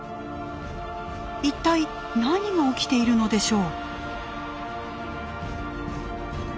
一体何が起きているのでしょう。